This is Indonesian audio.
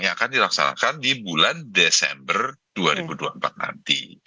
yang akan dilaksanakan di bulan desember dua ribu dua puluh empat nanti